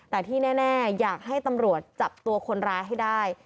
แต่ที่แน่อยากให้ตำรวจจับตัวคนร้ายให้ได้